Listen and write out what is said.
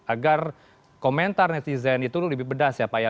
agar komentar netizen itu lebih pedas ya pak ya